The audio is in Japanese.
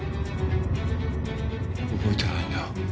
覚えてないんだ。